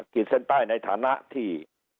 เส้นใต้ในฐานะที่